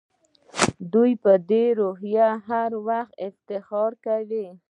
دوی په دې روحیه هر وخت ډېر افتخار کوي.